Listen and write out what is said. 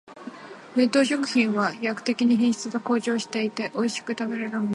冷凍食品は飛躍的に品質が向上していて、おいしく食べられるものがほとんどだ。